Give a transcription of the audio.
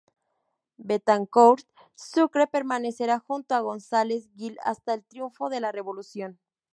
Betancourt Sucre permanecerá junto a González Gil hasta el triunfo de la revolución.